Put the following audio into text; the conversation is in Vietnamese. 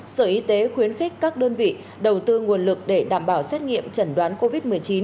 sở y tế khuyến khích các đơn vị đầu tư nguồn lực để đảm bảo xét nghiệm chẩn đoán covid một mươi chín